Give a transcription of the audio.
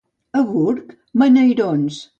A Burg, menairons.